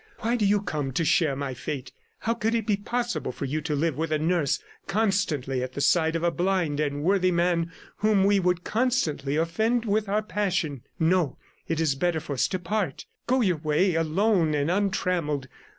Why do you come to share my fate? How could it be possible for you to live with a nurse constantly at the side of a blind and worthy man whom we would constantly offend with our passion? ... No, it is better for us to part. Go your way, alone and untrammelled.